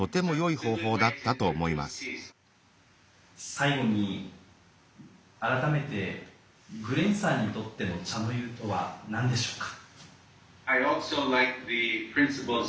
最後に改めてグレンさんにとっての茶の湯とは何でしょうか？